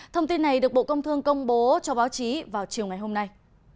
thông tin này được bộ công thương công bố cho báo chí vào chiều ngày hôm nay